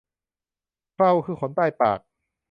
เคราคือขนใต้ปาก